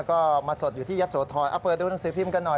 ก็มาสดอยู่ที่ยะโสธรเอาเปิดดูหนังสือพิมพ์กันหน่อย